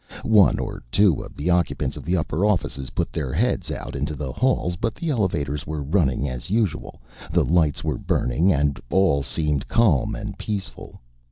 One or two of the occupants of the upper offices put their heads out into the halls, but the elevators were running as usual, the lights were burning, and all seemed calm and peaceful.